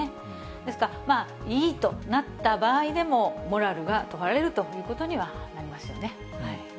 ですから、いいとなった場合でも、モラルが問われるということにはなりますよね。